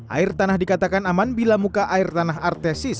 air tanah dikatakan aman bila muka air tanah artesis